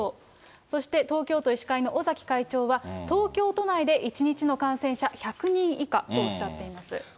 そして東京都医師会の尾崎会長は、東京都内で１日の感染者１００人以下とおっしゃっています。